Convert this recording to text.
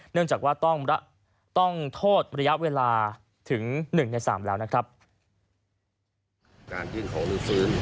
เนื่องจากว่าต้องต้องโทษระยะเวลาถึงหนึ่งในสามแล้วนะครับการยื่นของลื้อฟื้น